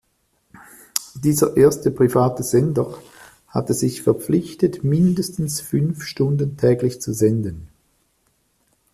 Dieser erste private Sender hatte sich verpflichtet, mindestens fünf Stunden täglich zu senden.